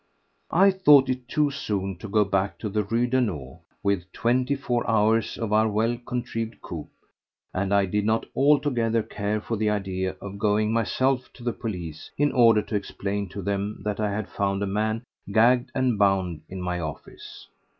I thought it too soon to go back to the Rue Daunou within twenty four hours of our well contrived coup, and I did not altogether care for the idea of going myself to the police in order to explain to them that I had found a man gagged and bound in my office.